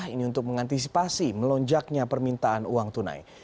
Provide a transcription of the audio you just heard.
ini untuk mengantisipasi melonjaknya permintaan uang tunai